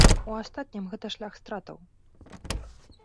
У астатнім гэта шлях стратаў.